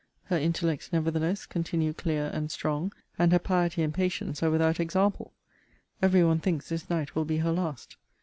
Her intellects, nevertheless, continue clear and strong, and her piety and patience are without example. Every one thinks this night will be her last.